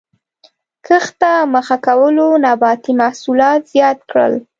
کښت ته مخه کولو نباتي محصولات زیات کړل.